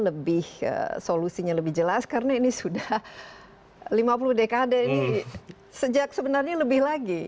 lebih solusinya lebih jelas karena ini sudah lima puluh dekade ini sejak sebenarnya lebih lagi